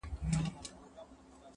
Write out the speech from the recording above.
• نوم یې هري دی په ځان غره دی -